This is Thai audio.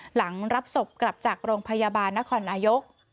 หลังรับศพกลับจากโรงพยาบาลนครนายก